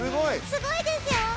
すごいですよ！